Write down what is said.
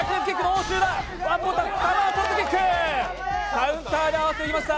カウンターで合わせてきました。